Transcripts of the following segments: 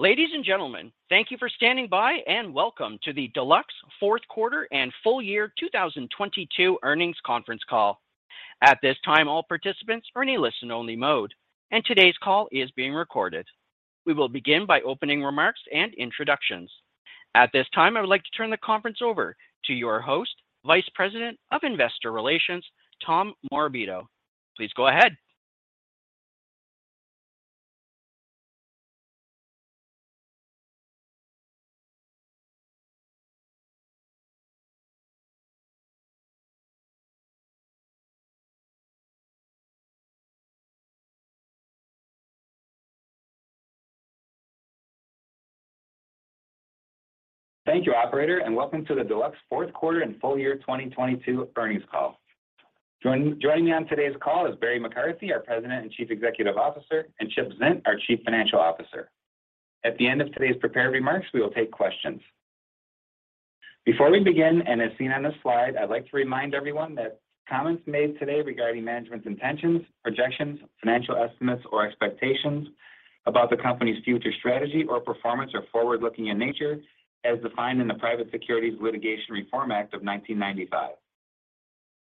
Ladies and gentlemen, thank you for standing by. Welcome to the Deluxe Q1 and full-year 2022 earnings Conference Call. At this time, all participants are in a listen only mode. Today's call is being recorded. We will begin by opening remarks and introductions. At this time, I would like to turn the conference over to your host, Vice President of Investor Relations, Tom Morabito. Please go ahead. Thank you, operator. Welcome to the Deluxe Q4 and full-year 2022 earnings call. Joining me on today's call is Barry McCarthy, our President and Chief Executive Officer, and Chip Zint, our Chief Financial Officer. At the end of today's prepared remarks, we will take questions. Before we begin, as seen on this slide, I'd like to remind everyone that comments made today regarding management's intentions, projections, financial estimates, or expectations about the company's future strategy or performance are forward-looking in nature, as defined in the Private Securities Litigation Reform Act of 1995.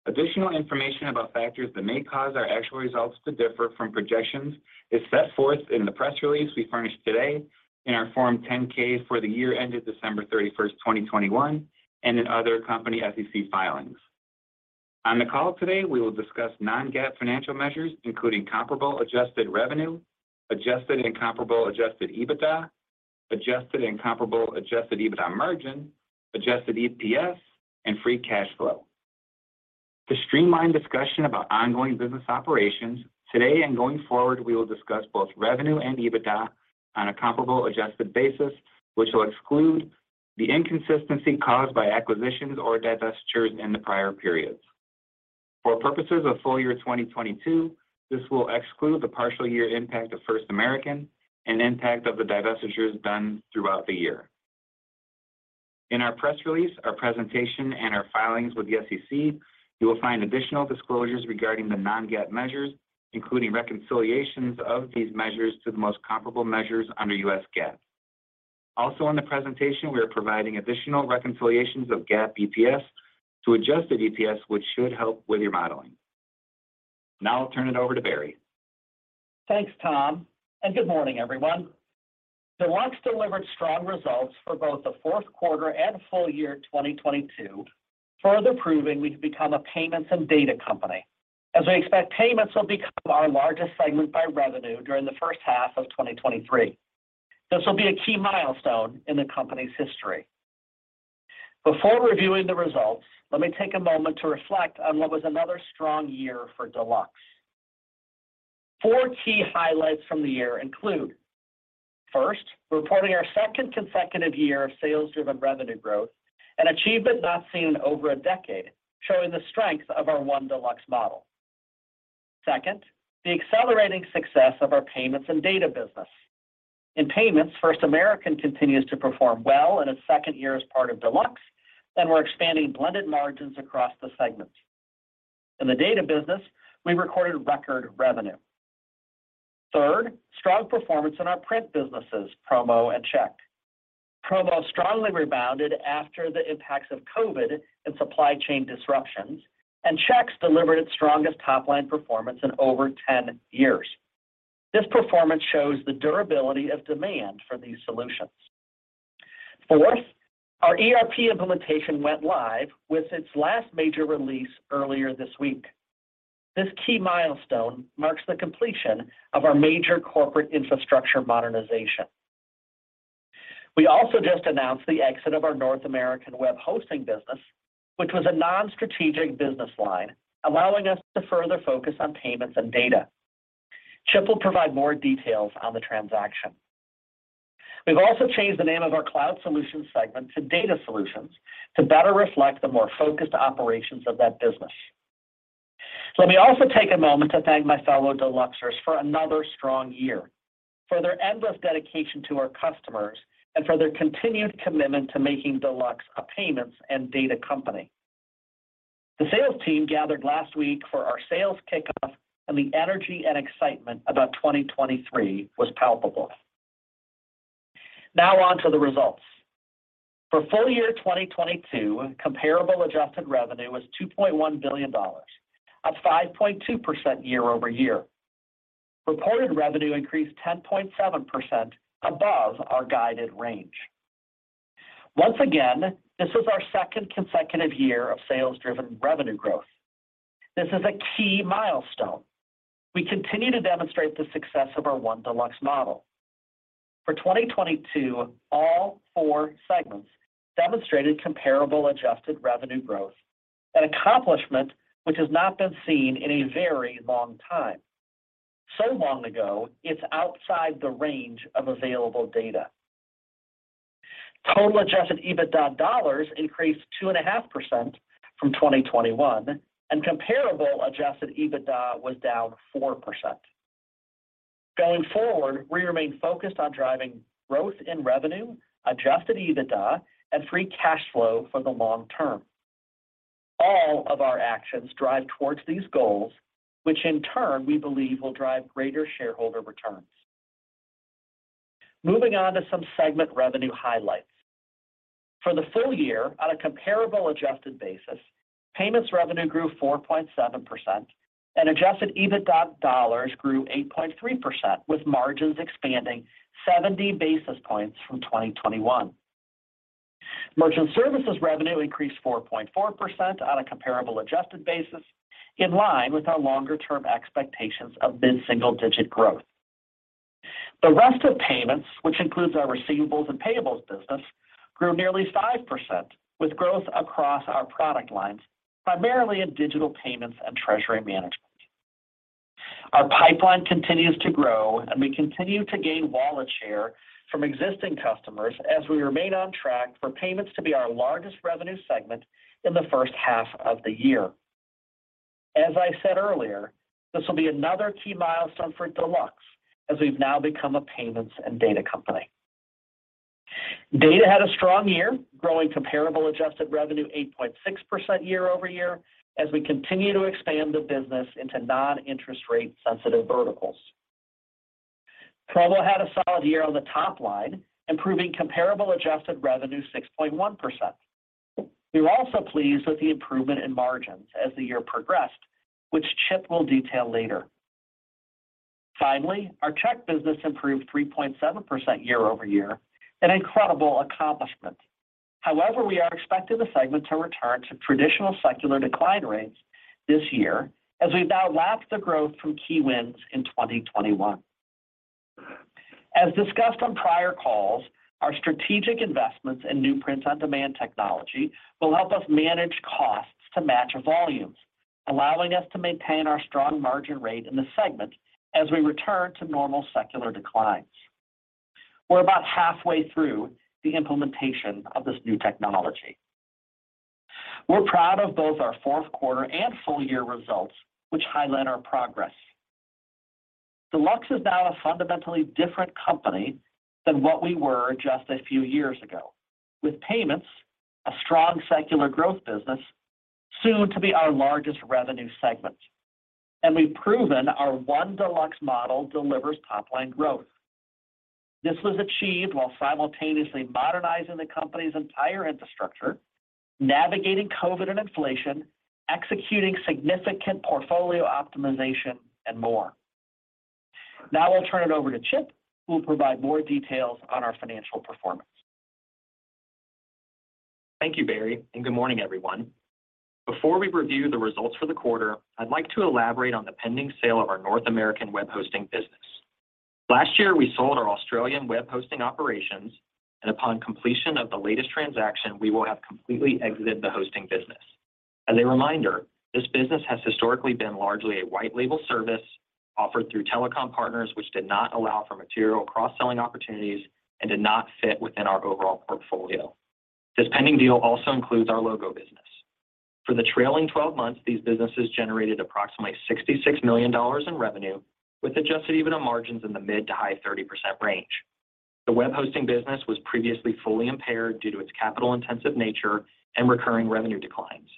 Additional information about factors that may cause our actual results to differ from projections is set forth in the press release we furnished today in our Form 10-K for the year ended December 31st, 2021, and in other company SEC filings. On the call today, we will discuss non-GAAP financial measures, including comparable adjusted -revenue, adjusted-and comparable adjusted-EBITDA, adjusted- and comparable-adjusted-EBITDA-margin, adjusted-EPS, and free cash flow. To streamline discussion about ongoing business operations, today and going forward, we will discuss both revenue and EBITDA on a comparable adjusted basis, which will exclude the inconsistency caused by acquisitions or divestitures in the prior periods. For purposes of full-year 2022, this will exclude the partial year impact of First American and impact of the divestitures done throughout the year. In our press release, our presentation, and our filings with the SEC, you will find additional disclosures regarding the non-GAAP measures, including reconciliations of these measures to the most comparable measures under US GAAP. Also in the presentation, we are providing additional reconciliations of GAAP EPS to adjusted-EPS, which should help with your modeling. Now I'll turn it over to Barry. Thanks, Tom. Good morning, everyone. Deluxe delivered strong results for both the 4th quarter and full-year 2022, further proving we've become a payments and data company. As we expect, payments will become our largest segment by revenue during the 1st half of 2023. This will be a key milestone in the company's history. Before reviewing the results, let me take a moment to reflect on what was another strong year for Deluxe. Four key highlights from the year include, first, reporting our 2nd consecutive year of sales-driven revenue growth, an achievement not seen in over a decade, showing the strength of our One Deluxe model. Second, the accelerating success of our payments and data business. In payments, First American continues to perform well in its 2nd year as part of Deluxe, and we're expanding blended margins across the segments. In the data business, we recorded record revenue. Third, strong performance in our print businesses, Promo and Check. Promo strongly rebounded after the impacts of COVID and supply chain disruptions, and Checks delivered its strongest top-line performance in over 10 years. This performance shows the durability of demand for these solutions. Fourth, our ERP implementation went live with its last major release earlier this week. This key milestone marks the completion of our major corporate infrastructure modernization. We also just announced the exit of our North American web hosting business, which was a non-strategic business line, allowing us to further focus on payments and data. Chip will provide more details on the transaction. We've also changed the name of our Cloud Solutions segment to Data Solutions to better reflect the more focused operations of that business. Let me also take a moment to thank my fellow Deluxers for another strong year, for their endless dedication to our customers, and for their continued commitment to making Deluxe a payments and data company. The sales team gathered last week for our sales kickoff, the energy and excitement about 2023 was palpable. On to the results. For full-year 2022, comparable-adjusted-revenue was $2.1 billion, up 5.2% year-over-year. Reported revenue increased 10.7% above our guided range. Once again, this is our second consecutive year of sales-driven revenue growth. This is a key milestone. We continue to demonstrate the success of our One Deluxe model. For 2022, all four segments demonstrated comparable adjusted -revenue growth, an accomplishment which has not been seen in a very long time. Long ago, it's outside the range of available data. Total adjusted-EBITDA dollars increased 2.5% from 2021. Comparable adjusted-EBITDA was down 4%. Going forward, we remain focused on driving growth in revenue, adjusted-EBITDA, and free cash flow for the long term. All of our actions drive towards these goals, which in turn we believe will drive greater shareholder returns. Moving on to some segment revenue highlights. For the full-year, on a comparable adjusted basis, payments revenue grew 4.7% and adjusted-EBITDA dollars grew 8.3%, with margins expanding 70 basis points from 2021. Merchant services revenue increased 4.4% on a comparable adjusted basis, in line with our longer-term expectations of mid-single-digit growth. The rest of payments, which includes our receivables and payables business, grew nearly 5%, with growth across our product lines, primarily in digital payments and treasury management. Our pipeline continues to grow, and we continue to gain wallet share from existing customers as we remain on track for payments to be our largest revenue segment in the first half of the year. As I said earlier, this will be another key milestone for Deluxe as we've now become a payments and data company. Data had a strong year, growing comparable adjusted-revenue 8.6% year-over-year as we continue to expand the business into non-interest rate sensitive verticals. Promo had a solid year on the top line, improving comparable adjusted-revenue 6.1%. We were also pleased with the improvement in margins as the year progressed, which Chip will detail later. Finally, our check business improved 3.7% year-over-year, an incredible accomplishment. However, we are expecting the segment to return to traditional secular decline rates this year as we've now lapped the growth from key wins in 2021. As discussed on prior calls, our strategic investments in new print-on-demand technology will help us manage costs to match volumes, allowing us to maintain our strong margin rate in the segment as we return to normal secular declines. We're about halfway through the implementation of this new technology. We're proud of both our Q4 and full-year results, which highlight our progress. Deluxe is now a fundamentally different company than what we were just a few years ago. With payments, a strong secular growth business, soon to be our largest revenue segment. We've proven our One Deluxe model delivers top-line growth. This was achieved while simultaneously modernizing the company's entire infrastructure, navigating COVID and inflation, executing significant portfolio optimization, and more. I'll turn it over to Chip, who will provide more details on our financial performance. Thank you, Barry, and good morning, everyone. Before we review the results for the quarter, I'd like to elaborate on the pending sale of our North American web hosting business. Last year, we sold our Australian web hosting operations, and upon completion of the latest transaction, we will have completely exited the hosting business. As a reminder, this business has historically been largely a white label service offered through telecom partners which did not allow for material cross-selling opportunities and did not fit within our overall portfolio. This pending deal also includes our logo business. For the trailing 12 months, these businesses generated approximately $66 million in revenue with adjusted-EBITDA margins in the mid to high 30% range. The web hosting business was previously fully impaired due to its capital-intensive nature and recurring revenue declines.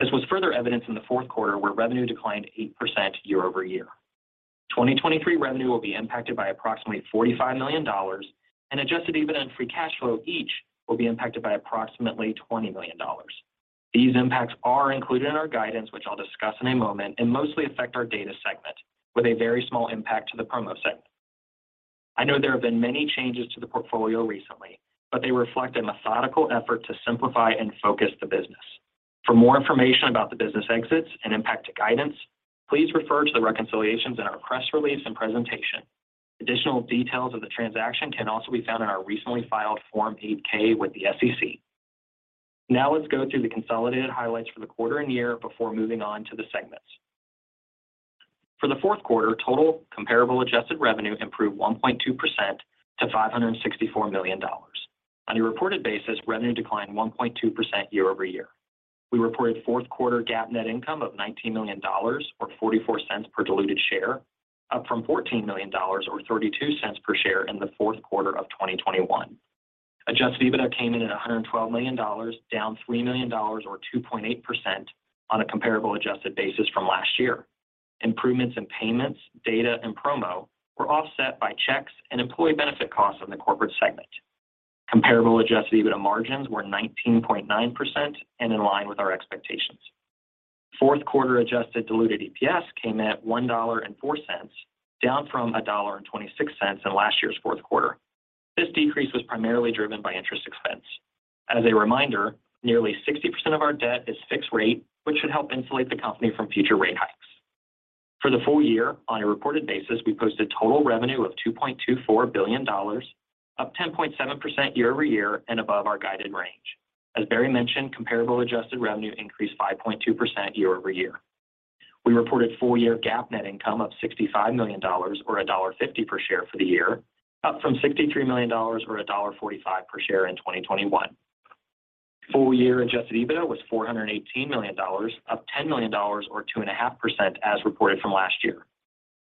This was further evidenced in the Q4, where revenue declined 8% year-over-year. 2023 revenue will be impacted by approximately $45 million and adjusted-EBITDA and free cash flow each will be impacted by approximately $20 million. These impacts are included in our guidance, which I'll discuss in a moment, and mostly affect our data segment with a very small impact to the promo segment. I know there have been many changes to the portfolio recently, but they reflect a methodical effort to simplify and focus the business. For more information about the business exits and impact to guidance, please refer to the reconciliations in our press release and presentation. Additional details of the transaction can also be found in our recently filed Form 8-K with the SEC. Now let's go through the consolidated highlights for the quarter and year before moving on to the segments. For the Q4, total comparable adjusted-revenue improved 1.2% to $564 million. On a reported basis, revenue declined 1.2% year-over-year. We reported Q4 GAAP net income of $19 million, or $0.44 per diluted share, up from $14 million or $0.32 per share in the Q4 of 2021. adjusted-EBITDA came in at $112 million, down $3 million or 2.8% on a comparable adjusted basis from last year. Improvements in payments, data, and promo were offset by checks and employee benefit costs in the corporate segment. Comparable adjusted-EBITDA margins were 19.9% and in line with our expectations. Q4 Adjusted Diluted EPS came in at $1.04, down from $1.26 in last year's Q4. This decrease was primarily driven by interest expense. As a reminder, nearly 60% of our debt is fixed rate, which should help insulate the company from future rate hikes. For the full-year, on a reported basis, we posted total revenue of $2.24 billion, up 10.7% year-over-year and above our guided range. As Barry mentioned, comparable adjusted-revenue increased 5.2% year-over-year. We reported full-year GAAP net income of $65 million or $1.50 per share for the year, up from $63 million or $1.45 per share in 2021. Full-year adjusted-EBITDA was $418 million, up $10 million or 2.5% as reported from last year.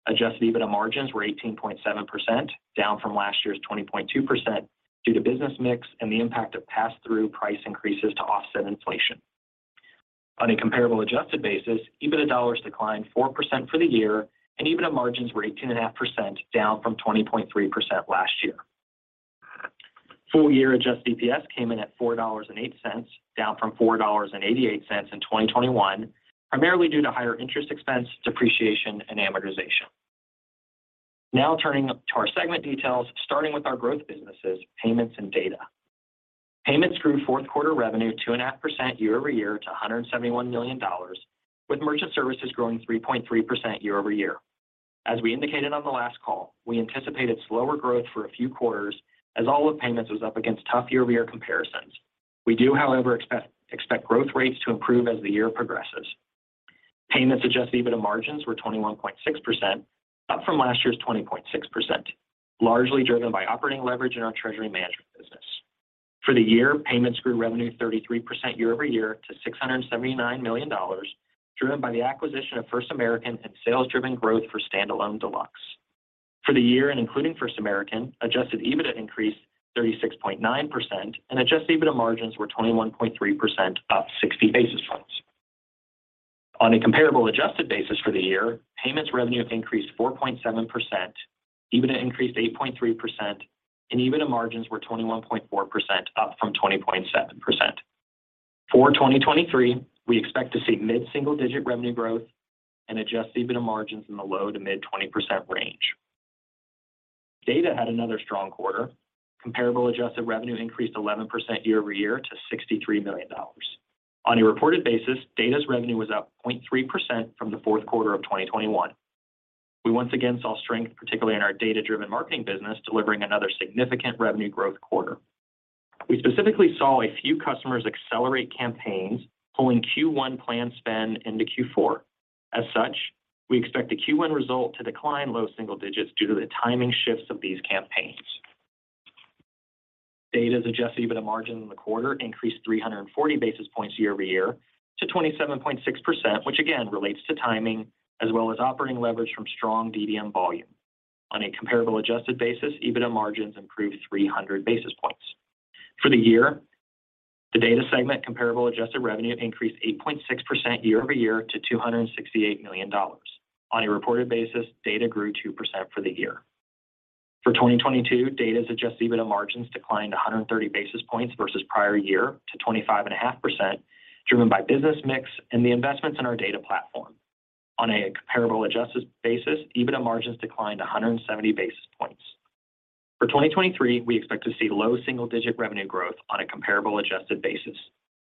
adjusted-EBITDA margins were 18.7%, down from last year's 20.2% due to business mix and the impact of pass-through price increases to offset inflation. On a comparable adjusted basis, EBITDA dollars declined 4% for the year, and EBITDA margins were 18.5%, down from 20.3% last year. Full-year adjusted EPS came in at $4.08, down from $4.88 in 2021, primarily due to higher interest expense, depreciation, and amortization. Turning up to our segment details, starting with our growth businesses, payments and Data. Payments grew Q4 revenue 2.5% year-over-year to $171 million, with merchant services growing 3.3% year-over-year. As we indicated on the last call, we anticipated slower growth for a few quarters as all of payments was up against tough year-over-year comparisons. We do, however, expect growth rates to improve as the year progresses. Payments adjusted-EBITDA margins were 21.6%, up from last year's 20.6%, largely driven by operating leverage in our treasury management business. For the year, payments grew revenue 33% year-over-year to $679 million, driven by the acquisition of First American and sales-driven growth for standalone Deluxe. For the year, and including First American, adjusted-EBITDA increased 36.9% and adjusted-EBITDA margins were 21.3%, up 60 basis points. On a comparable adjusted basis for the year, payments revenue increased 4.7%, EBITDA increased 8.3%, and EBITDA margins were 21.4%, up from 20.7%. For 2023, we expect to see mid-single-digit revenue growth and adjusted-EBITDA margins in the low to mid 20% range. Data had another strong quarter. Comparable adjusted-revenue increased 11% year-over-year to $63 million. On a reported basis, Data's revenue was up 0.3% from the Q4 of 2021. We once again saw strength, particularly in our data-driven marketing business, delivering another significant revenue growth quarter. We specifically saw a few customers accelerate campaigns, pulling Q1 plan spend into Q4. As such, we expect the Q1 result to decline low single digits due to the timing shifts of these campaigns. Data Solutions' adjusted-EBITDA margin in the quarter increased 340 basis points year-over-year to 27.6%, which again relates to timing as well as operating leverage from strong data-driven marketing volume. On a comparable adjusted basis, EBITDA margins improved 300 basis points. For the year, the Data Solutions segment comparable adjusted-revenue increased 8.6% year-over-year to $268 million. On a reported basis, Data Solutions grew 2% for the year. For 2022, Data's adjusted-EBITDA margins declined 130 basis points versus prior year to 25.5%, driven by business mix and the investments in our data platform. On a comparable adjusted basis, EBITDA margins declined 170 basis points. For 2023, we expect to see low single-digit revenue growth on a comparable adjusted basis.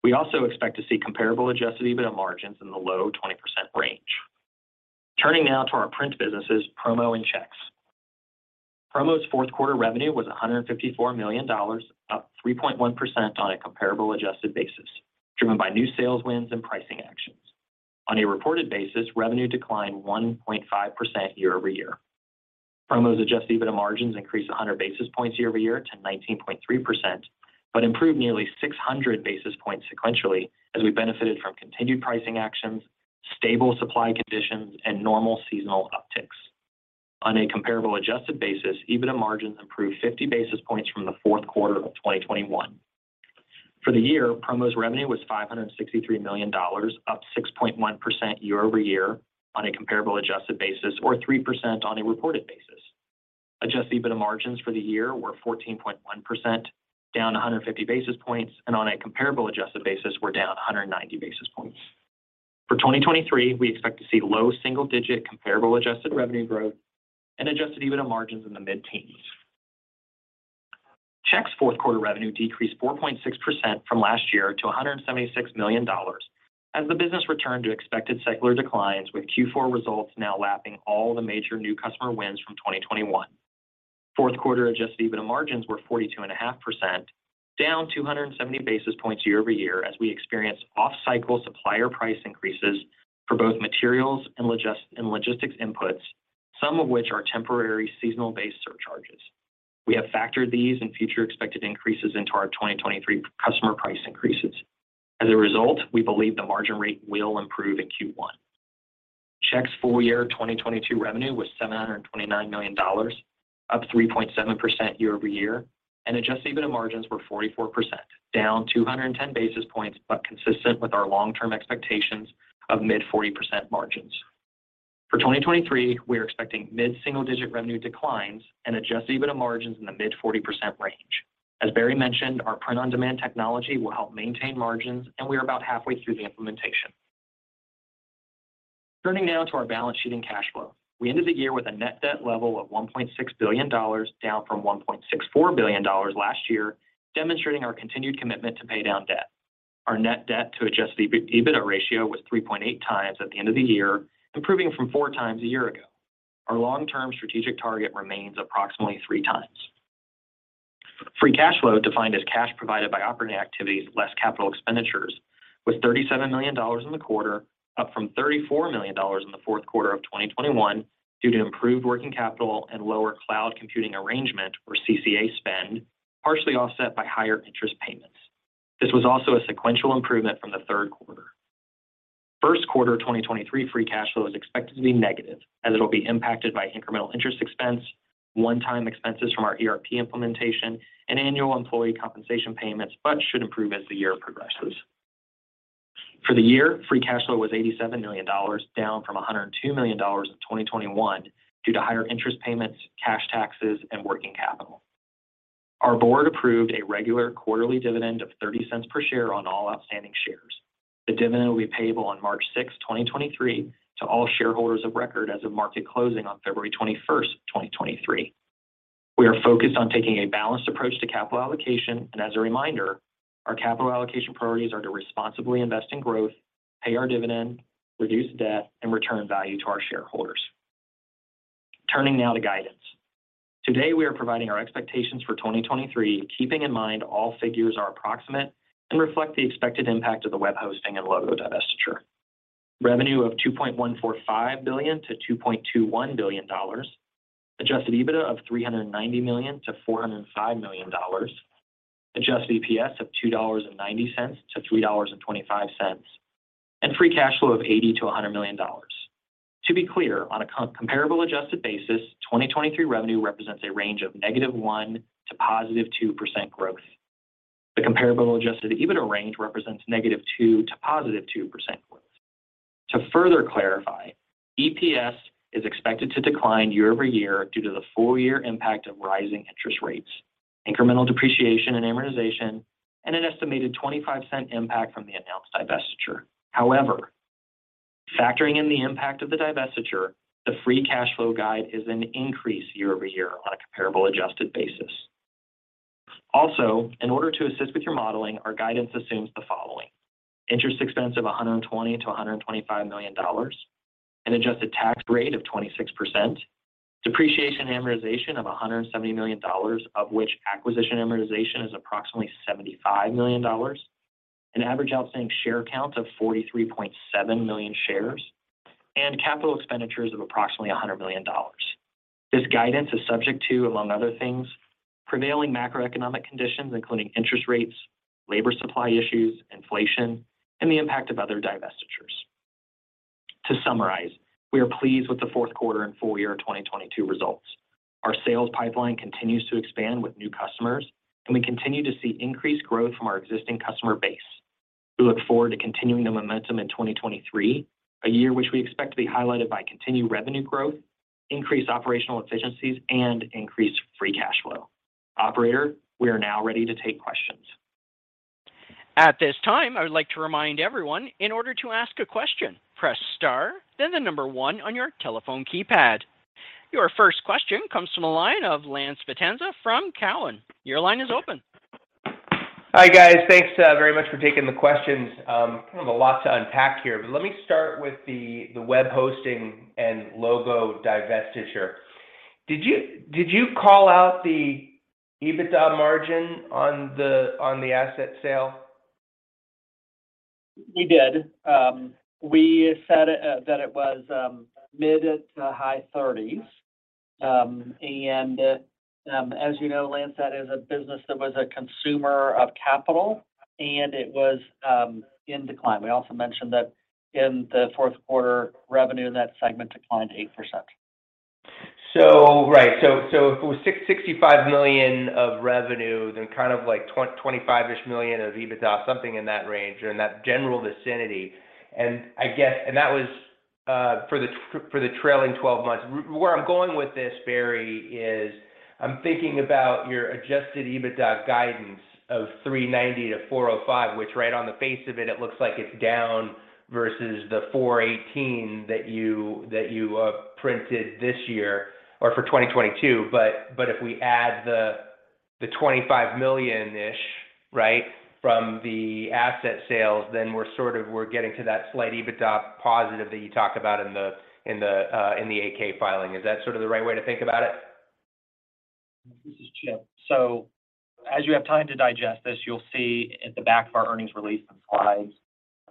We also expect to see comparable adjusted-EBITDA margins in the low 20% range. Turning now to our print businesses, promo and checks. Promo's Q4 revenue was $154 million, up 3.1% on a comparable adjusted basis, driven by new sales wins and pricing actions. On a reported basis, revenue declined 1.5% year-over-year. Promo's adjusted-EBITDA margins increased 100 basis points year-over-year to 19.3%, improved nearly 600 basis points sequentially as we benefited from continued pricing actions, stable supply conditions, and normal seasonal upticks. On a comparable adjusted basis, EBITDA margins improved 50 basis points from the Q4 of 2021. For the year, Promo's revenue was $563 million, up 6.1% year-over-year on a comparable adjusted basis or 3% on a reported basis. adjusted-EBITDA margins for the year were 14.1%, down 150 basis points, and on a comparable adjusted basis, we're down 190 basis points. For 2023, we expect to see low single-digit comparable adjusted-revenue growth and adjusted-EBITDA margins in the mid-teens. Checks Q4 revenue decreased 4.6% from last year to $176 million as the business returned to expected secular declines with Q4 results now lapping all the major new customer wins from 2021. Q4 adjusted-EBITDA margins were 42.5%, down 270 basis points year-over-year as we experienced off-cycle supplier price increases for both materials and logistics inputs, some of which are temporary seasonal-based surcharges. We have factored these and future expected increases into our 2023 customer price increases. As a result, we believe the margin rate will improve in Q1. Checks full-year 2022 revenue was $729 million, up 3.7% year-over-year, adjusted-EBITDA margins were 44%, down 210 basis points, consistent with our long-term expectations of mid 40% margins. For 2023, we are expecting mid-single-digit revenue declines and adjusted-EBITDA margins in the mid 40% range. As Barry mentioned, our print-on-demand technology will help maintain margins, we are about halfway through the implementation. Turning now to our balance sheet and cash flow. We ended the year with a net debt level of $1.6 billion, down from $1.64 billion last year, demonstrating our continued commitment to pay down debt. Our net debt to adjusted-EBITDA ratio was 3.8x at the end of the year, improving from 4x a year ago. Our long-term strategic target remains approximately three times. Free cash flow, defined as cash provided by operating activities less capital expenditures, was $37 million in the quarter, up from $34 million in the Q4 of 2021 due to improved working capital and lower cloud computing arrangement, or CCA spend, partially offset by higher interest payments. This was also a sequential improvement from the third quarter. Q1 2023 free cash flow is expected to be negative, as it'll be impacted by incremental interest expense, one-time expenses from our ERP implementation, and annual employee compensation payments, should improve as the year progresses. For the year, free cash flow was $87 million, down from $102 million in 2021 due to higher interest payments, cash taxes, and working capital. Our board approved a regular quarterly dividend of $0.30 per share on all outstanding shares. The dividend will be payable on March 6, 2023 to all shareholders of record as of market closing on February 21, 2023. We are focused on taking a balanced approach to capital allocation. As a reminder, our capital allocation priorities are to responsibly invest in growth, pay our dividend, reduce debt, and return value to our shareholders. Turning now to guidance. Today, we are providing our expectations for 2023, keeping in mind all figures are approximate and reflect the expected impact of the web hosting and logo divestiture. Revenue of $2.145 billion-$2.21 billion. adjusted-EBITDA of $390 million-$405 million. Adjusted EPS of $2.90 to $3.25. Free cash flow of $80 million-$100 million. To be clear, on a comparable adjusted basis, 2023 revenue represents a range of -1% to +2% growth. The comparable adjusted-EBITDA range represents -2% to +2% growth. To further clarify, EPS is expected to decline year-over-year due to the full-year impact of rising interest rates, incremental depreciation and amortization, and an estimated $0.25 impact from the announced divestiture. However, factoring in the impact of the divestiture, the free cash flow guide is an increase year-over-year on a comparable adjusted basis. In order to assist with your modeling, our guidance assumes the following: interest expense of $120 million-$125 million, an adjusted tax rate of 26%, depreciation and amortization of $170 million, of which acquisition amortization is approximately $75 million, an average outstanding share count of 43.7 million shares, and capital expenditures of approximately $100 million. This guidance is subject to, among other things, prevailing macroeconomic conditions, including interest rates, labor supply issues, inflation, and the impact of other divestitures. To summarize, we are pleased with the Q4 and full-year 2022 results. Our sales pipeline continues to expand with new customers, and we continue to see increased growth from our existing customer base. We look forward to continuing the momentum in 2023, a year which we expect to be highlighted by continued revenue growth, increased operational efficiencies, and increased free cash flow. Operator, we are now ready to take questions. At this time, I would like to remind everyone, in order to ask a question, press star, then 1 on your telephone keypad. Your first question comes from the line of Lance Vitanza from Cowen. Your line is open. Hi, guys. Thanks very much for taking the questions. Kind of a lot to unpack here, let me start with the web hosting and logo divestiture. Did you call out the EBITDA margin on the asset sale? We did. We said that it was mid to high 30s. As you know, Lance, that is a business that was a consumer of capital, and it was in decline. We also mentioned that in the Q4, revenue in that segment declined 8%. Right. If it was $65 million of revenue, then kind of like $25 million-ish of EBITDA, something in that range or in that general vicinity. I guess that was for the trailing 12 months. Where I'm going with this, Barry, is I'm thinking about your adjusted-EBITDA guidance of $390 million-$405 million, which right on the face of it looks like it's down versus the $418 million that you printed this year or for 2022. If we add the $25 million-ish, right, from the asset sales, then we're sort of, we're getting to that slight EBITDA positive that you talk about in the 8-K filing. Is that sort of the right way to think about it? This is Chip. As you have time to digest this, you'll see at the back of our earnings release and slides,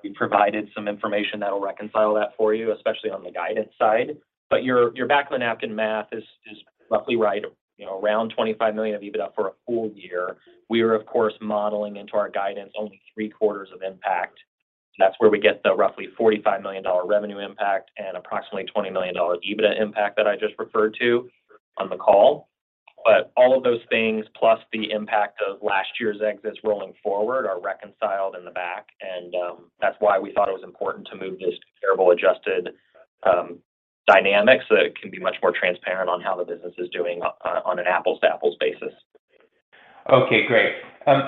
we provided some information that will reconcile that for you, especially on the guidance side. Your back of the napkin math is roughly right. You know, around $25 million of EBITDA for a full-year. We are of course modeling into our guidance only 3 quarters of impact. That's where we get the roughly $45 million revenue impact and approximately $20 million EBITDA impact that I just referred to on the call. All of those things, plus the impact of last year's exits rolling forward are reconciled in the back. That's why we thought it was important to move this to comparable adjusted dynamics so that it can be much more transparent on how the business is doing on an apples-to-apples basis. Okay, great.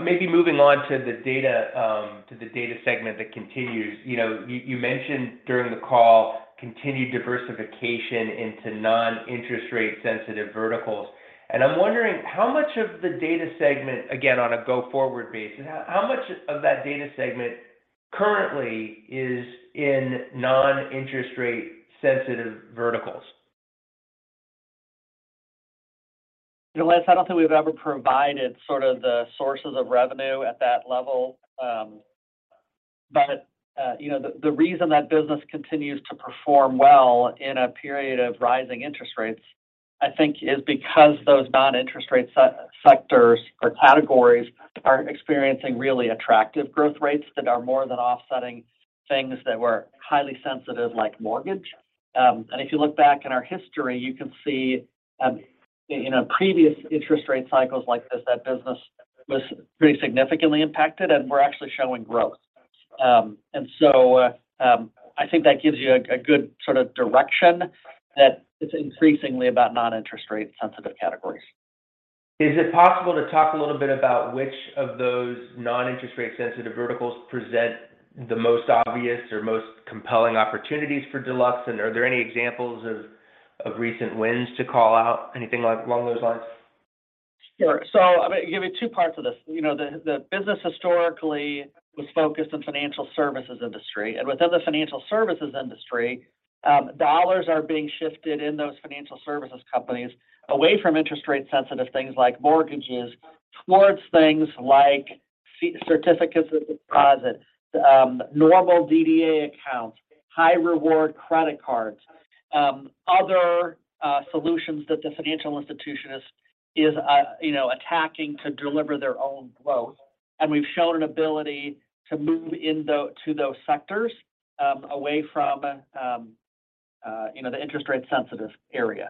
Maybe moving on to the Data segment that continues. You know, you mentioned during the call continued diversification into non-interest rate sensitive verticals. I'm wondering how much of the Data segment, again, on a go forward basis, how much of that Data segment currently is in non-interest rate sensitive verticals? You know, Lance, I don't think we've ever provided sort of the sources of revenue at that level. You know, the reason that business continues to perform well in a period of rising interest rates, I think, is because those non-interest rate sectors or categories are experiencing really attractive growth rates that are more than offsetting things that were highly sensitive, like mortgage. If you look back in our history, you can see, you know, previous interest rate cycles like this, that business was pretty significantly impacted, and we're actually showing growth. I think that gives you a good sort of direction that it's increasingly about non-interest rate sensitive categories. Is it possible to talk a little bit about which of those non-interest rate sensitive verticals present the most obvious or most compelling opportunities for Deluxe? Are there any examples of recent wins to call out? Anything like along those lines? Sure. I'm gonna give you two parts of this. You know, the business historically was focused on financial services industry. Within the financial services industry, dollars are being shifted in those financial services companies away from interest rate sensitive things like mortgages towards things like certificates of deposit, normal DDA accounts, high reward credit cards, other solutions that the financial institution is, you know, attacking to deliver their own growth. We've shown an ability to move into those sectors, away from, you know, the interest rate sensitive area.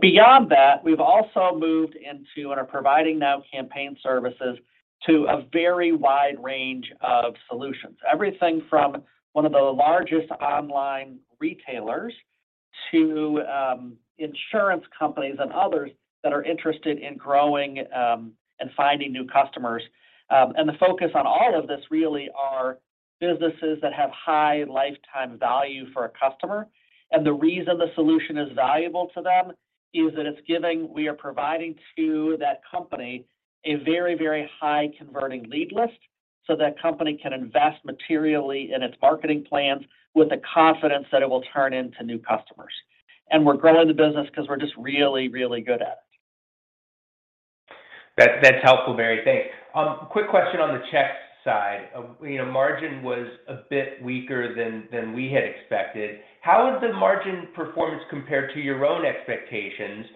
Beyond that, we've also moved into and are providing now campaign services to a very wide range of solutions. Everything from one of the largest online retailers to insurance companies and others that are interested in growing and finding new customers. The focus on all of this really are businesses that have high lifetime value for a customer. The reason the solution is valuable to them is that we are providing to that company a very, very high converting lead list so that company can invest materially in its marketing plans with the confidence that it will turn into new customers. We're growing the business because we're just really, really good at it. That's helpful, Barry. Thanks. Quick question on the checks side. You know, margin was a bit weaker than we had expected. How has the margin performance compared to your own expectations?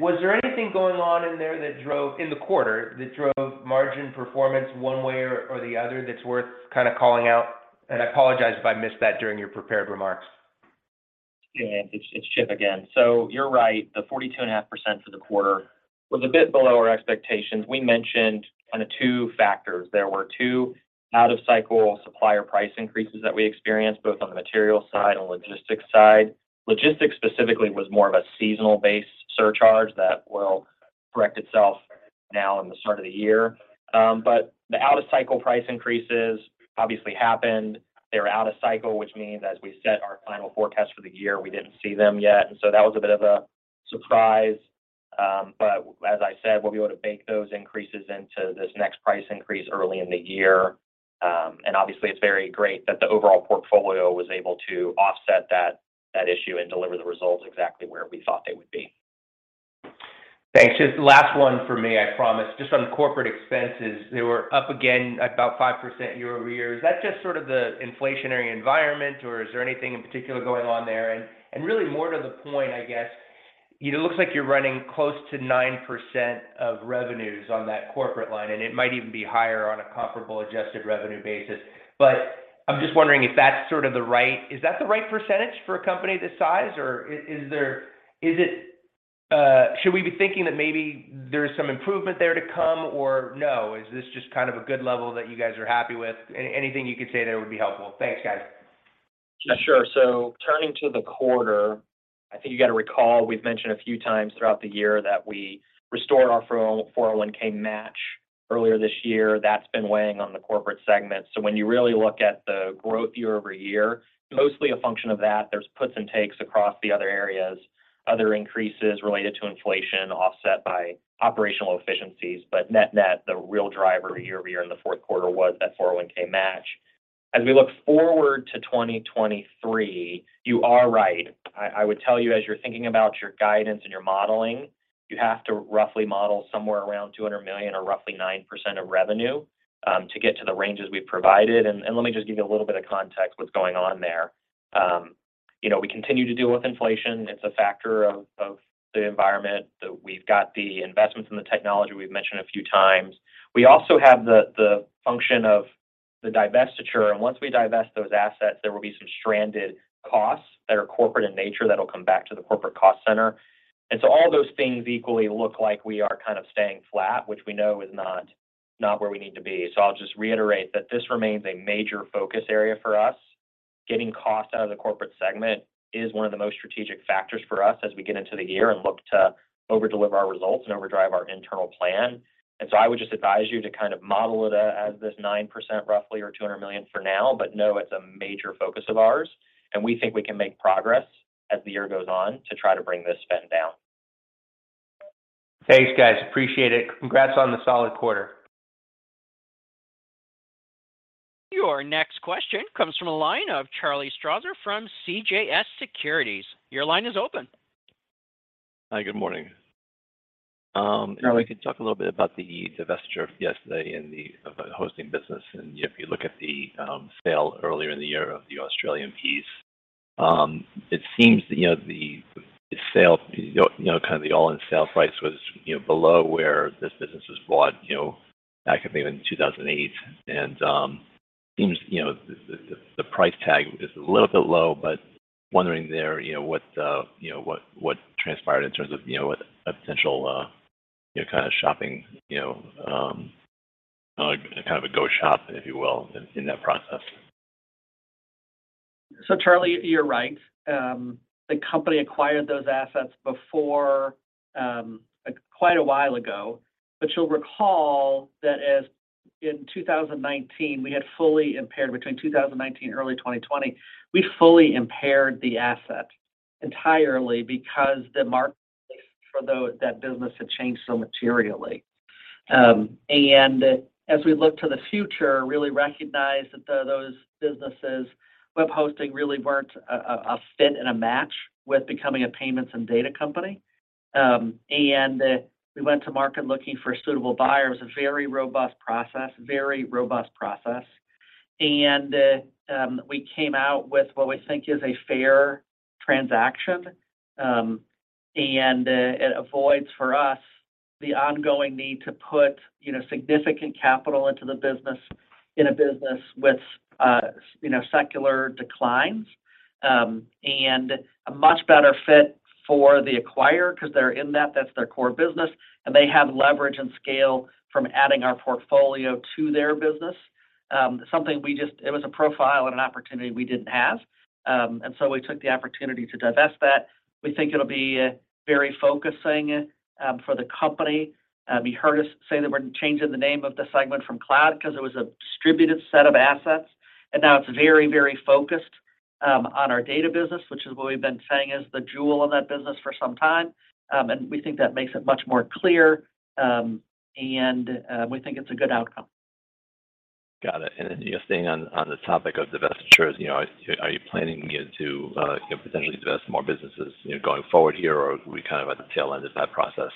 Was there anything going on in there that drove, in the quarter, that drove margin performance one way or the other that's worth kind of calling out? I apologize if I missed that during your prepared remarks. It's Chip again. You're right. The 42.5% for the quarter was a bit below our expectations. We mentioned kinda 2 factors. There were 2 out-of-cycle supplier price increases that we experienced, both on the material side and logistics side. Logistics specifically was more of a seasonal-based surcharge that will correct itself now in the start of the year. The out-of-cycle price increases obviously happened. They were out-of-cycle, which means as we set our final forecast for the year, we didn't see them yet. That was a bit of a surprise. As I said, we'll be able to bake those increases into this next price increase early in the year. Obviously it's very great that the overall portfolio was able to offset that issue and deliver the results exactly where we thought they would be. Thanks. Just last one for me, I promise. Just on corporate expenses, they were up again about 5% year-over-year. Is that just sort of the inflationary environment, or is there anything in particular going on there? Really more to the point, I guess, it looks like you're running close to 9% of revenues on that corporate line, and it might even be higher on a comparable adjusted-revenue basis. I'm just wondering if that's sort of the right... Is that the right percentage for a company this size, or is there... Should we be thinking that maybe there's some improvement there to come or no? Is this just kind of a good level that you guys are happy with? Anything you could say there would be helpful. Thanks, guys. Yeah, sure. Turning to the quarter, I think you got to recall, we've mentioned a few times throughout the year that we restored our 401(k) match earlier this year. That's been weighing on the corporate segment. When you really look at the growth year-over-year, mostly a function of that. There's puts and takes across the other areas. Other increases related to inflation offset by operational efficiencies. Net-net, the real driver year-over-year in the Q4 was that 401(k) match. As we look forward to 2023, you are right. I would tell you, as you're thinking about your guidance and your modeling, you have to roughly model somewhere around $200 million or roughly 9% of revenue to get to the ranges we've provided. Let me just give you a little bit of context what's going on there. You know, we continue to deal with inflation. It's a factor of the environment. We've got the investments in the technology we've mentioned a few times. We also have the function of the divestiture. Once we divest those assets, there will be some stranded costs that are corporate in nature that'll come back to the corporate cost center. All those things equally look like we are kind of staying flat, which we know is not where we need to be. I'll just reiterate that this remains a major focus area for us. Getting cost out of the corporate segment is one of the most strategic factors for us as we get into the year and look to over deliver our results and overdrive our internal plan. I would just advise you to kind of model it as this 9% roughly or $200 million for now. Know it's a major focus of ours, and we think we can make progress as the year goes on to try to bring this spend down. Thanks, guys. Appreciate it. Congrats on the solid quarter. Your next question comes from the line of Charlie Strauzer from CJS Securities. Your line is open. Hi, good morning. If we could talk a little bit about the divestiture yesterday in the hosting business. And if you look at the sale earlier in the year of the Australian piece, it seems that, you know, the sale, you know, kind of the all-in sale price was, you know, below where this business was bought, you know, back I think in 2008. And seems, you know, the price tag is a little bit low, but wondering there, you know, what transpired in terms of, you know, a potential, you know, kind of shopping, you know, kind of a go shop, if you will, in that process. Charlie Strauzer, you're right. The company acquired those assets before, quite a while ago. You'll recall that as in 2019, we had fully impaired between 2019, early 2020, we fully impaired the asset entirely because the market for that business had changed so materially. As we look to the future, really recognize that those businesses, web hosting really weren't a fit and a match with becoming a payments and data company. We went to market looking for suitable buyers, a very robust process. We came out with what we think is a fair transaction. It avoids for us, the ongoing need to put, you know, significant capital into the business in a business with, you know, secular declines, and a much better fit for the acquirer because they're in that. That's their core business. They have leverage and scale from adding our portfolio to their business. It was a profile and an opportunity we didn't have. We took the opportunity to divest that. We think it'll be very focusing for the company. You heard us say that we're changing the name of the segment from Cloud because it was a distributed set of assets, and now it's very, very focused on our Data business, which is what we've been saying is the jewel in that business for some time. We think that makes it much more clear, and we think it's a good outcome. Got it. You know, staying on the topic of divestitures, you know, are you planning to, you know, potentially divest more businesses, you know, going forward here, or are we kind of at the tail end of that process?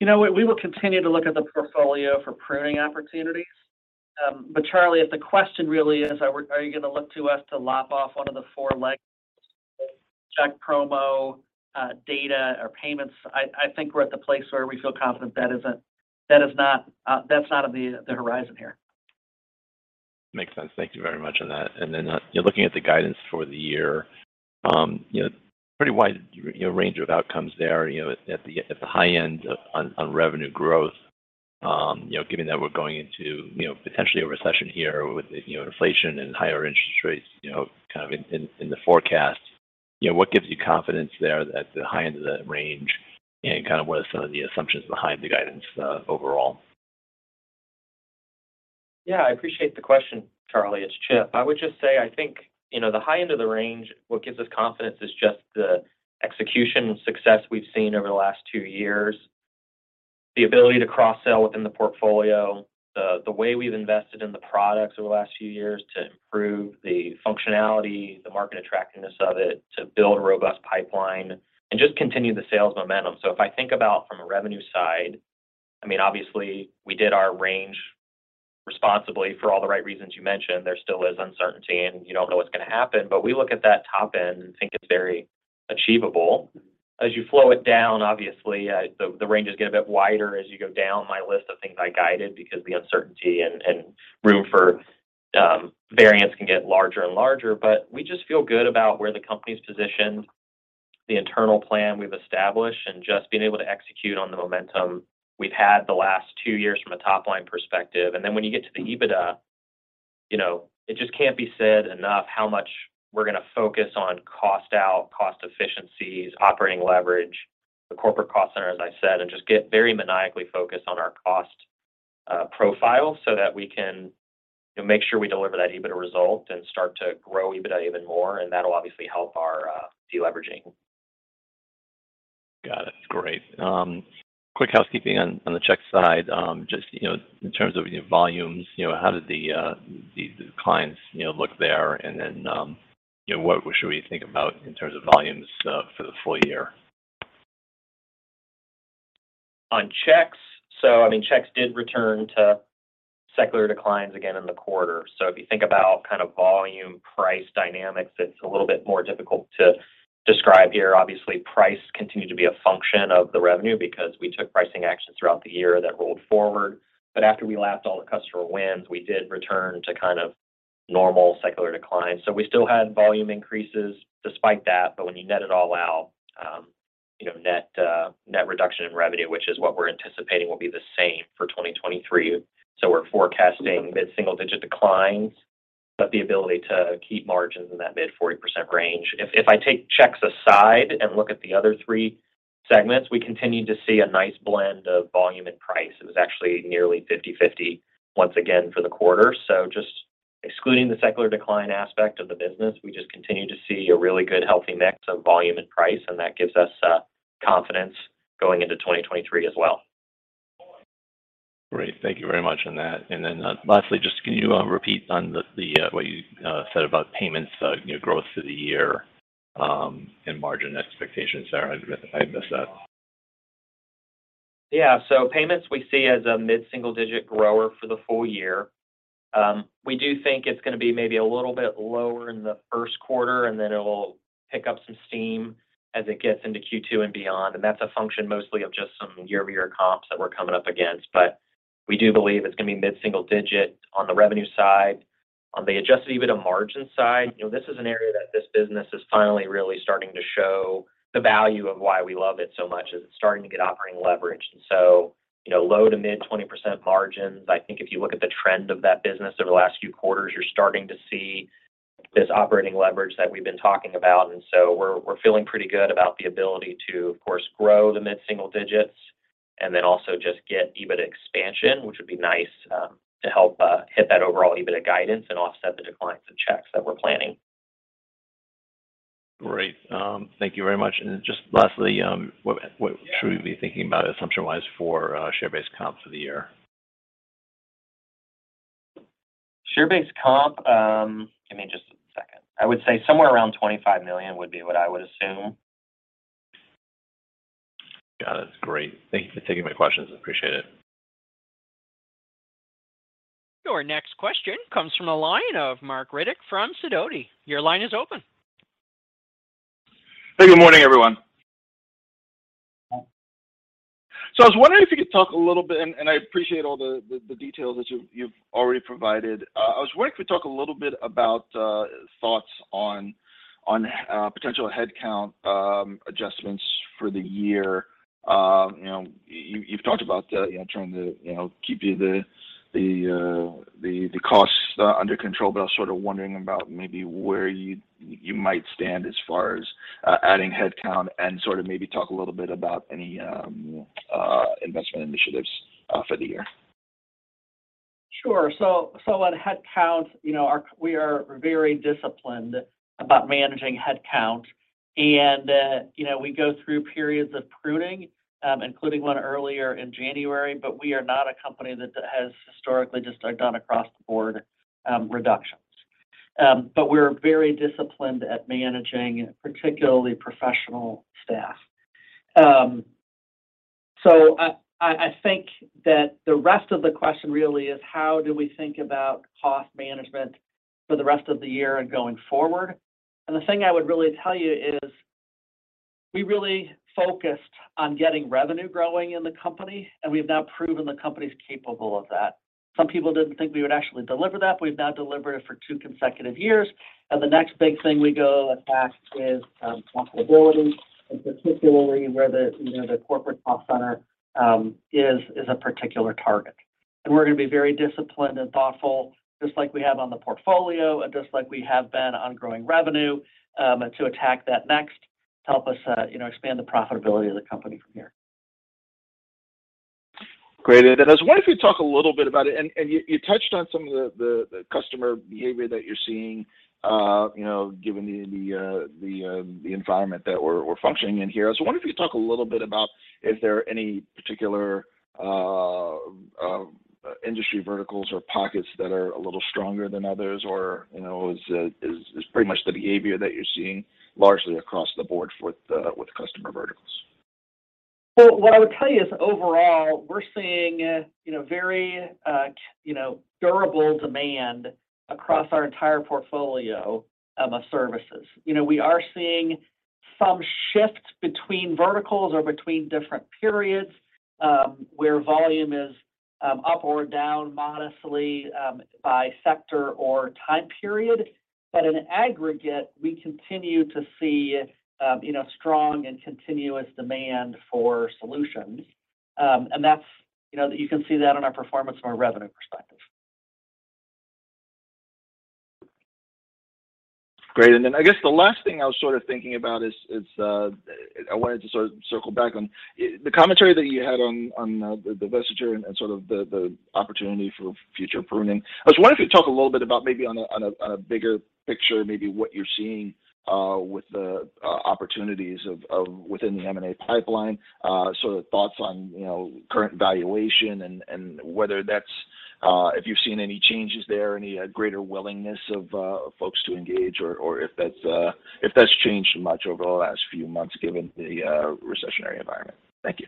You know what, we will continue to look at the portfolio for pruning opportunities. Charlie, if the question really is are you going to look to us to lop off one of the four legs, check promo, Data or Payments, I think we're at the place where we feel confident that's not on the horizon here. Makes sense. Thank you very much on that. Then, you know, looking at the guidance for the year, you know, pretty wide range of outcomes there, you know, at the, at the high end on revenue growth, you know, given that we're going into, you know, potentially a recession here with, you know, inflation and higher interest rates, you know, kind of in the forecast, you know, what gives you confidence there at the high end of that range and kind of what are some of the assumptions behind the guidance overall? I appreciate the question, Charlie. It's Chip. I would just say, I think, you know, the high end of the range, what gives us confidence is just the execution success we've seen over the last two years. The ability to cross-sell within the portfolio, the way we've invested in the products over the last few years to improve the functionality, the market attractiveness of it, to build a robust pipeline and just continue the sales momentum. If I think about from a revenue side, I mean, obviously we did our range responsibly for all the right reasons you mentioned. There still is uncertainty, and you don't know what's going to happen. We look at that top end and think it's very achievable. As you flow it down, obviously, the ranges get a bit wider as you go down my list of things I guided because the uncertainty and room for variance can get larger and larger. We just feel good about where the company's positioned, the internal plan we've established, and just being able to execute on the momentum we've had the last 2 years from a top-line perspective. When you get to the EBITDA, you know, it just can't be said enough how much we're going to focus on cost out, cost efficiencies, operating leverage, the corporate cost center, as I said, and just get very maniacally focused on our cost profile so that we can make sure we deliver that EBITDA result and start to grow EBITDA even more. That'll obviously help our deleveraging. Got it. Great. quick housekeeping on the check side. just, you know, in terms of volumes, you know, how did the clients, you know, look there? you know, what should we think about in terms of volumes for the full-year? On checks. I mean, checks did return to secular declines again in the quarter. If you think about kind of volume-price dynamics, it's a little bit more difficult to describe here. Obviously, price continued to be a function of the revenue because we took pricing action throughout the year that rolled forward. But after we lapped all the customer wins, we did return to kind of normal secular declines. We still had volume increases despite that. But when you net it all out, you know, net reduction in revenue, which is what we're anticipating will be the same for 2023. We're forecasting mid-single-digit declines, but the ability to keep margins in that mid 40% range. If, if I take checks aside and look at the other three segments, we continue to see a nice blend of volume and price. It was actually nearly 50/50 once again for the quarter. Just excluding the secular decline aspect of the business, we just continue to see a really good, healthy mix of volume and price, and that gives us confidence going into 2023 as well. Great. Thank you very much on that. Then, lastly, just can you repeat on the what you said about payments, you know, growth through the year, and margin expectations there? I missed that. Payments we see as a mid-single digit grower for the full-year. We do think it's gonna be maybe a little bit lower in the Q1, then it will pick up some steam as it gets into Q2 and beyond. That's a function mostly of just some year-over-year comps that we're coming up against. We do believe it's gonna be mid-single digit on the revenue side. On the adjusted-EBITDA margin side, you know, this is an area that this business is finally really starting to show the value of why we love it so much is it's starting to get operating leverage. You know, low to mid 20% margins. I think if you look at the trend of that business over the last few quarters, you're starting to see this operating leverage that we've been talking about. We're feeling pretty good about the ability to, of course, grow the mid-single digits and then also just get EBITDA expansion, which would be nice, to help hit that overall EBITDA guidance and offset the declines in checks that we're planning. Great. Thank you very much. Just lastly, what should we be thinking about assumption-wise for share-based comp for the year? Share-based comp, give me just a second. I would say somewhere around $25 million would be what I would assume. Got it. Great. Thank you for taking my questions. I appreciate it. Your next question comes from the line of Marc Riddick from Sidoti. Your line is open. Hey, good morning, everyone. I was wondering if you could talk a little bit. I appreciate all the details that you've already provided. I was wondering if you could talk a little bit about thoughts on potential headcount adjustments for the year. You know, you've talked about, you know, trying to, you know, keep the costs under control, but I was sort of wondering about maybe where you might stand as far as adding headcount and sort of maybe talk a little bit about any investment initiatives for the year. Sure. On headcount, you know, we are very disciplined about managing headcount. You know, we go through periods of pruning, including one earlier in January, but we are not a company that has historically just done across the board reductions. We're very disciplined at managing particularly professional staff. I think that the rest of the question really is how do we think about cost management for the rest of the year and going forward? The thing I would really tell you is we really focused on getting revenue growing in the company, and we've now proven the company's capable of that. Some people didn't think we would actually deliver that. We've now delivered it for two consecutive years. The next big thing we go attack is profitability, and particularly where the, you know, the corporate cost center is a particular target. We're gonna be very disciplined and thoughtful, just like we have on the portfolio and just like we have been on growing revenue, to attack that next to help us, you know, expand the profitability of the company from here. Great. I was wondering if you could talk a little bit about it. You touched on some of the customer behavior that you're seeing, you know, given the environment that we're functioning in here. I was wondering if you could talk a little bit about if there are any particular industry verticals or pockets that are a little stronger than others or, you know, is pretty much the behavior that you're seeing largely across the board with customer verticals. What I would tell you is overall, we're seeing, you know, very, you know, durable demand across our entire portfolio of services. You know, we are seeing some shift between verticals or between different periods, where volume is up or down modestly by sector or time period. In aggregate, we continue to see, you know, strong and continuous demand for solutions. That's, you know, you can see that on our performance from a revenue perspective. Great. I guess the last thing I was sort of thinking about is, I wanted to sort of circle back on the commentary that you had on the vestiture and sort of the opportunity for future pruning. I was wondering if you could talk a little bit about maybe on a bigger picture, maybe what you're seeing with the opportunities within the M&A pipeline, sort of thoughts on, you know, current valuation and whether that's, if you've seen any changes there, any greater willingness of folks to engage or if that's changed much over the last few months given the recessionary environment? Thank you.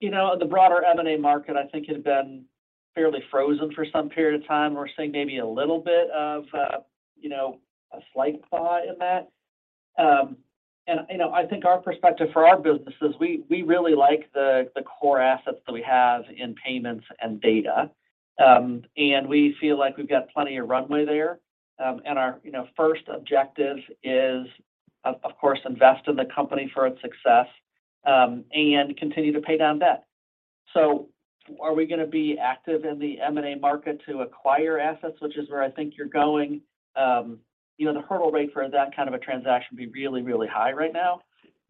You know, the broader M&A market I think had been fairly frozen for some period of time. We're seeing maybe a little bit of, you know, a slight thaw in that. You know, I think our perspective for our business is we really like the core assets that we have in payments and data. Our, you know, first objective is of course, invest in the company for its success and continue to pay down debt. Are we gonna be active in the M&A market to acquire assets, which is where I think you're going? you know, the hurdle rate for that kind of a transaction would be really, really high right now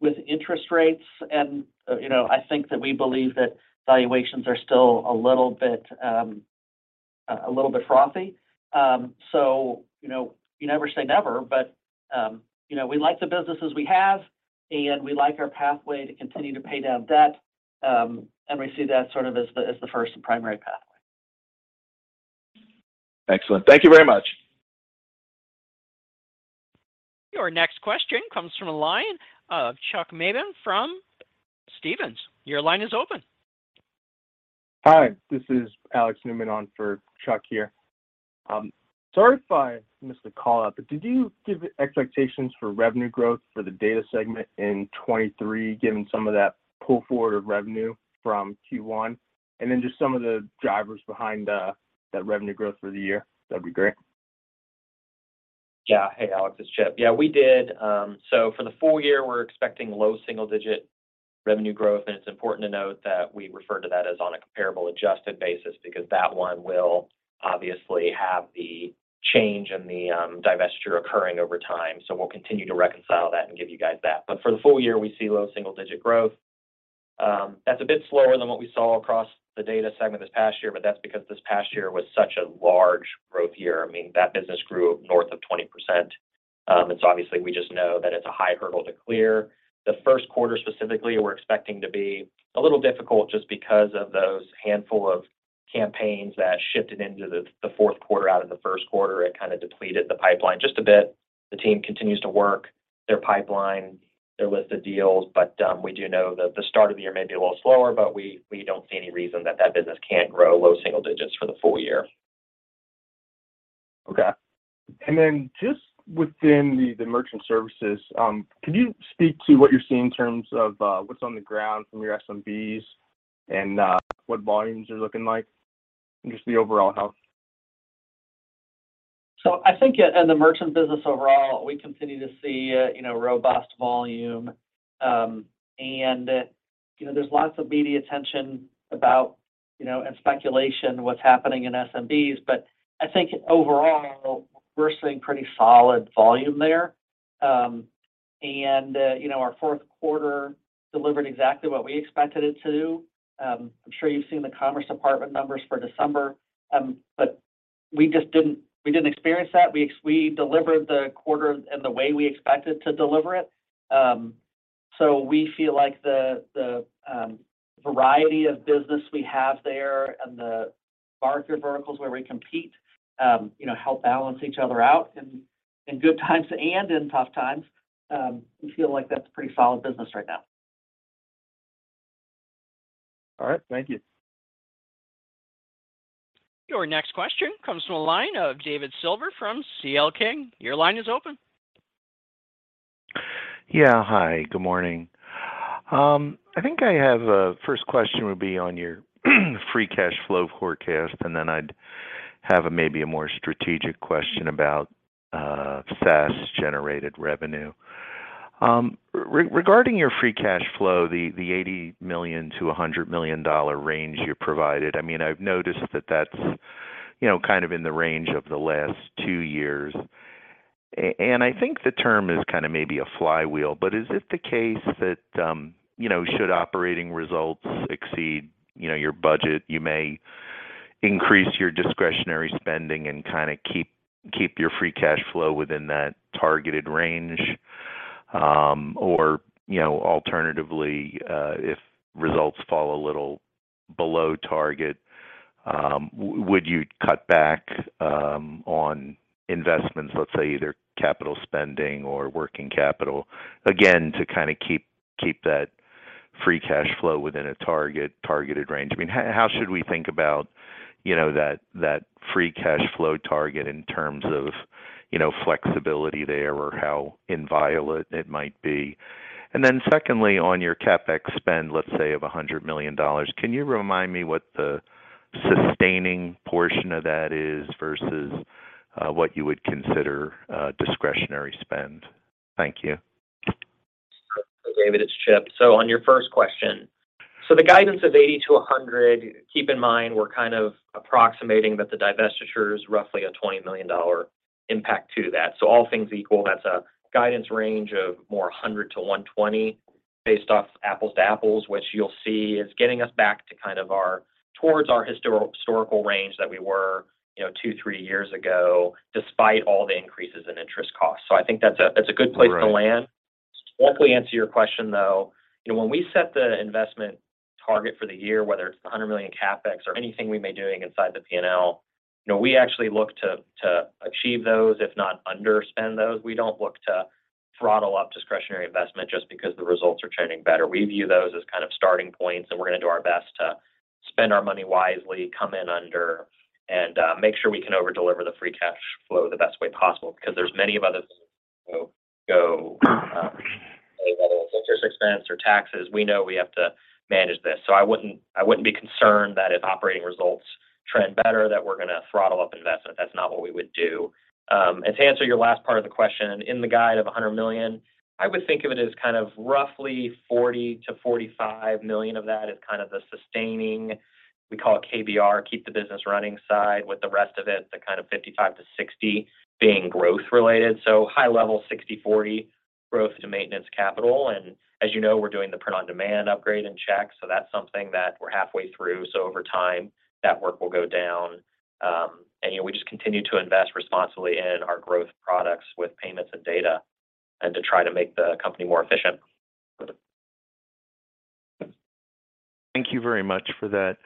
with interest rates and, you know, I think that we believe that valuations are still a little bit. A little bit frothy. You know, you never say never, but, you know, we like the businesses we have, and we like our pathway to continue to pay down debt, and we see that sort of as the, as the first and primary pathway. Excellent. Thank you very much. Your next question comes from the line of Chuck Maben from Stephens. Your line is open. Hi. This is Alex Newman on for Chuck here. Sorry if I missed the call out, but did you give expectations for revenue growth for the data segment in 2023, given some of that pull forward of revenue from Q1, and then just some of the drivers behind that revenue growth for the year? That'd be great. Yeah. Hey, Alex, it's Chip. Yeah, we did. For the full-year, we're expecting low single-digit revenue growth, and it's important to note that we refer to that as on a comparable adjusted basis because that one will obviously have the change in the divestiture occurring over time. We'll continue to reconcile that and give you guys that. For the full-year, we see low single-digit growth. That's a bit slower than what we saw across the data segment this past year, but that's because this past year was such a large growth year. I mean, that business grew north of 20%. Obviously we just know that it's a high hurdle to clear. The Q1 specifically, we're expecting to be a little difficult just because of those handful of campaigns that shifted into the Q4 out of the Q1. It kind of depleted the pipeline just a bit. The team continues to work their pipeline, their list of deals. We do know that the start of the year may be a little slower, but we don't see any reason that that business can't grow low single digits for the full-year. Okay. Just within the merchant services, could you speak to what you're seeing in terms of what's on the ground from your SMBs and what volumes are looking like and just the overall health? I think in the merchant business overall, we continue to see, you know, robust volume. You know, there's lots of media attention about, you know, and speculation what's happening in SMBs. I think overall we're seeing pretty solid volume there. You know, our Q4 delivered exactly what we expected it to. I'm sure you've seen the Commerce Department numbers for December. We just didn't experience that. We delivered the quarter in the way we expected to deliver it. We feel like the variety of business we have there and the market verticals where we compete, you know, help balance each other out in good times and in tough times. We feel like that's pretty solid business right now. All right. Thank you. Your next question comes from the line of David Silver from C.L. King. Your line is open. Yeah. Hi, good morning. I think I have a first question would be on your free cash flow forecast, and then I'd have a maybe a more strategic question about SaaS-generated revenue. Regarding your free cash flow, the $80 million-$100 million range you provided. I mean, I've noticed that that's, you know, kind of in the range of the last 2 years. I think the term is kind of maybe a flywheel, but is it the case that, you know, should operating results exceed, you know, your budget, you may increase your discretionary spending and kinda keep your free cash flow within that targeted range? Or, you know, alternatively, if results fall a little below target, would you cut back on investments, let's say, either capital spending or working capital, again, to kind of keep that free cash flow within a targeted range? I mean, how should we think about, you know, that free cash flow target in terms of, you know, flexibility there or how inviolate it might be? Secondly, on your CapEx spend, let's say of $100 million, can you remind me what the sustaining portion of that is versus what you would consider discretionary spend? Thank you. David, it's Chip. On your first question, the guidance of $80-$100, keep in mind we're kind of approximating that the divestiture is roughly a $20 million impact to that. All things equal, that's a guidance range of more $100-$120 based off apples to apples, which you'll see is getting us back to kind of our historical range that we were, you know, two, three years ago, despite all the increases in interest costs. I think that's a good place to land. Right. To hopefully answer your question, though, you know, when we set the investment target for the year, whether it's the $100 million CapEx or anything we may doing inside the P&L, you know, we actually look to achieve those, if not underspend those. We don't look to throttle up discretionary investment just because the results are trending better. We view those as kind of starting points, and we're going to do our best to spend our money wisely, come in under, and make sure we can overdeliver the free cash flow the best way possible because there's many of others go, whether it's interest expense or taxes. We know we have to manage this. I wouldn't be concerned that if operating results trend better that we're gonna throttle up investment. That's not what we would do. To answer your last part of the question, in the guide of $100 million, I would think of it as roughly $40 million-$45 million of that is the sustaining. We call it KBR, keep the business running side, with the rest of it, the 55-60 being growth related. High level 60/40 growth to maintenance capital. As you know, we're doing the print-on-demand upgrade in checks, that's something that we're halfway through, over time that work will go down. You know, we just continue to invest responsibly in our growth products with payments and Data and to try to make the company more efficient. Thank you very much for that.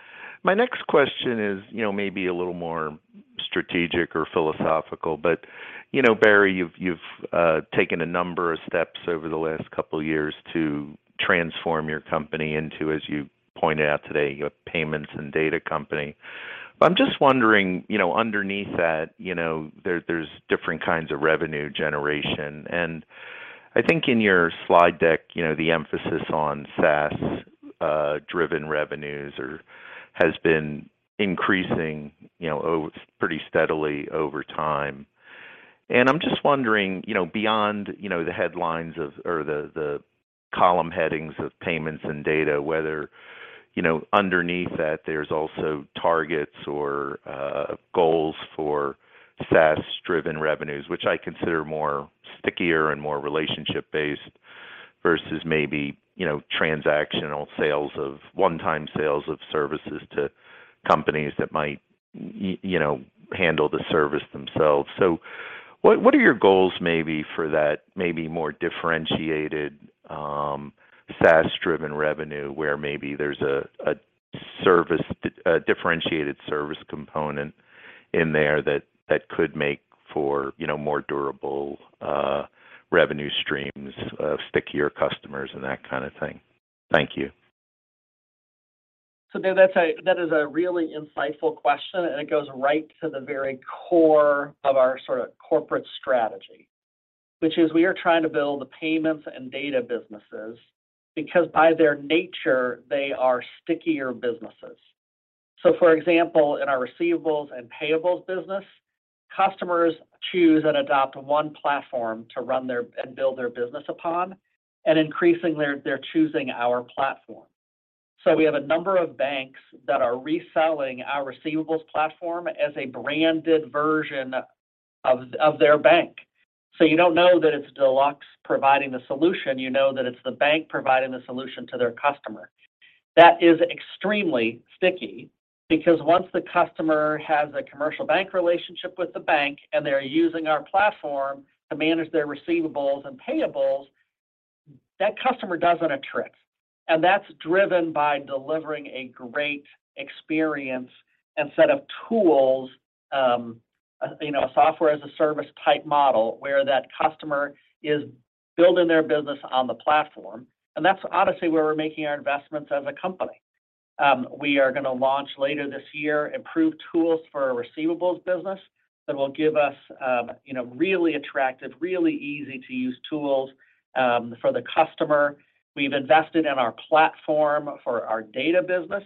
My next question is, you know, maybe a little more strategic or philosophical, but, you know, Barry, you've taken a number of steps over the last couple years to transform your company into, as you pointed out today, a payments and data company. I'm just wondering, you know, underneath that, you know, there's different kinds of revenue generation. I think in your slide deck, you know, the emphasis on SaaS driven revenues or has been increasing, you know, pretty steadily over time. I'm just wondering, you know, beyond, you know, the headlines of or the column headings of payments and data, whether, you know, underneath that there's also targets or goals for SaaS-driven revenues, which I consider more stickier and more relationship-based versus maybe, you know, transactional sales of one-time sales of services to companies that might, you know, handle the service themselves. What are your goals maybe for that maybe more differentiated, SaaS-driven revenue, where maybe there's a service, a differentiated service component in there that could make for, you know, more durable revenue streams of stickier customers and that kind of thing? Thank you. That is a really insightful question, and it goes right to the very core of our sort of corporate strategy, which is we are trying to build the payments and data businesses because by their nature, they are stickier businesses. For example, in our receivables and payables business, customers choose and adopt 1 platform to run their and build their business upon, and increasingly they're choosing our platform. We have a number of banks that are reselling our receivables platform as a branded version of their bank. You don't know that it's Deluxe providing the solution. You know that it's the bank providing the solution to their customer. That is extremely sticky because once the customer has a commercial bank relationship with the bank and they're using our platform to manage their receivables and payables, that customer doesn't attract. That's driven by delivering a great experience and set of tools, you know, software-as-a-service type model where that customer is building their business on the platform. That's honestly where we're making our investments as a company. We are gonna launch later this year improved tools for our receivables business that will give us, you know, really attractive, really easy-to-use tools, for the customer. We've invested in our platform for our data business,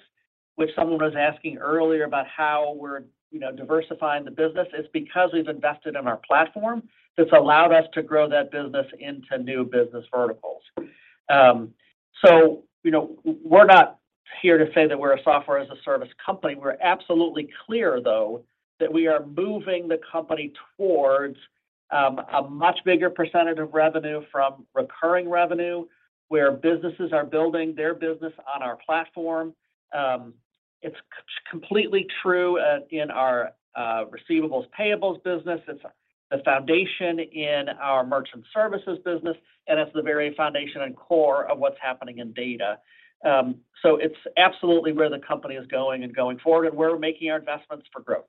which someone was asking earlier about how we're, you know, diversifying the business. It's because we've invested in our platform that's allowed us to grow that business into new business verticals. You know, we're not here to say that we're a software-as-a-service company. We're absolutely clear, though, that we are moving the company towards a much bigger percentage of revenue from recurring revenue, where businesses are building their business on our platform. It's completely true in our receivables/payables business. It's the foundation in our merchant services business, and it's the very foundation and core of what's happening in data. It's absolutely where the company is going and going forward, and we're making our investments for growth.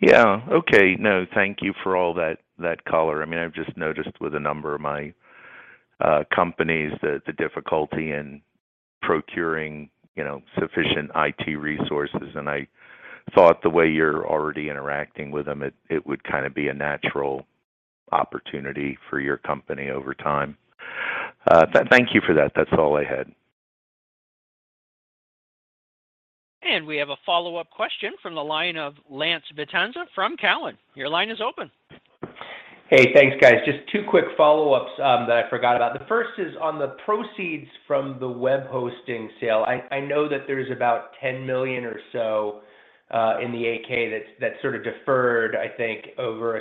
Yeah. Okay. No, thank you for all that color. I mean, I've just noticed with a number of my companies the difficulty in procuring, you know, sufficient IT resources, I thought the way you're already interacting with them, it would kinda be a natural opportunity for your company over time. Thank you for that. That's all I had. We have a follow-up question from the line of Lance Vitanza from Cowen. Your line is open. Hey, thanks, guys. Just two quick follow-ups that I forgot about. The first is on the proceeds from the web hosting sale. I know that there's about $10 million or so in the 8-K that's sort of deferred, I think, over a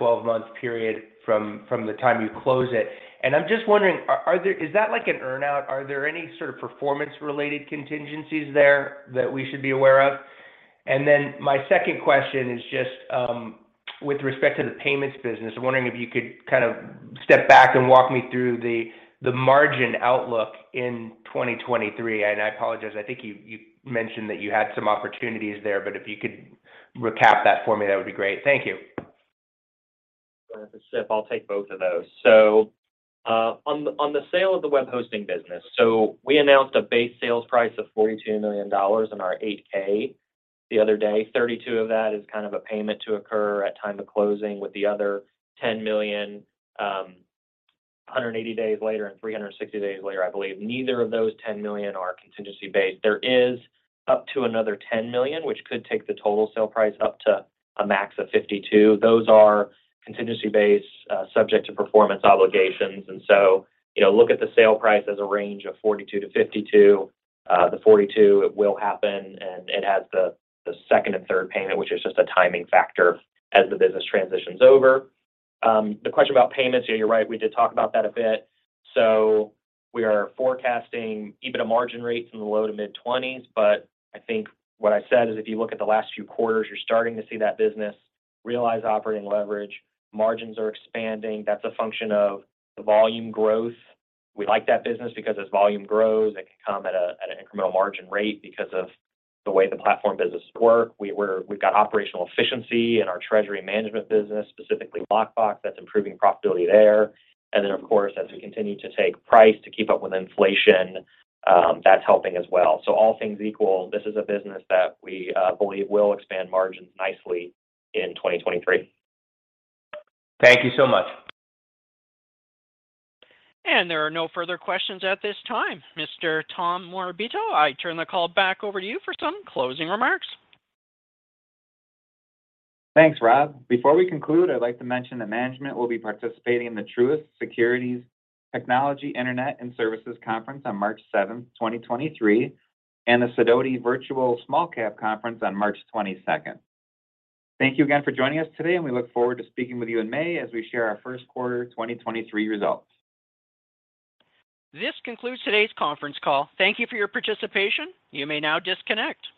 6-12 month period from the time you close it. I'm just wondering, is that like an earn-out? Are there any sort of performance-related contingencies there that we should be aware of? My second question is just, with respect to the payments business, I'm wondering if you could kind of step back and walk me through the margin outlook in 2023. I apologize, I think you mentioned that you had some opportunities there, but if you could recap that for me, that would be great. Thank you. This is Chip. I'll take both of those. On the sale of the web hosting business. We announced a base sales price of $42 million in our 8-K the other day. 32 of that is kind of a payment to occur at time of closing, with the other $10 million, 180 days later and 360 days later, I believe. Neither of those $10 million are contingency based. There is up to another $10 million, which could take the total sale price up to a max of $52. Those are contingency based, subject to performance obligations. You know, look at the sale price as a range of $42-$52. The $42, it will happen, and it has the second and third payment, which is just a timing factor as the business transitions over. The question about payments. Yeah, you're right. We did talk about that a bit. We are forecasting EBITDA margin rates in the low to mid-20s. I think what I said is if you look at the last few quarters, you're starting to see that business realize operating leverage. Margins are expanding. That's a function of the volume growth. We've got operational efficiency in our treasury management business, specifically Lockbox, that's improving profitability there. Then, of course, as we continue to take price to keep up with inflation, that's helping as well. All things equal, this is a business that we believe will expand margins nicely in 2023. Thank you so much. There are no further questions at this time. Mr. Tom Morabito, I turn the call back over to you for some closing remarks. Thanks, Rob. Before we conclude, I'd like to mention that management will be participating in the Truist Securities Technology, Internet and Services Conference on March 7th, 2023, and the Sidoti Virtual Small-Cap Conference on March 22nd. Thank you again for joining us today, and we look forward to speaking with you in May as we share our Q1 2023 results. This concludes today's Conference Call. Thank you for your participation. You may now disconnect.